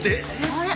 あれ？